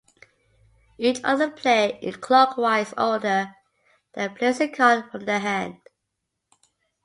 Each other player, in clockwise order, then plays a card from their hand.